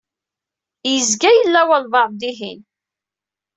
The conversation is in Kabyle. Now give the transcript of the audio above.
Yezga yella walebɛaḍ dihin.